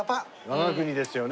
我が国ですよね。